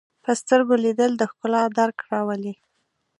په سترګو لیدل د ښکلا درک راولي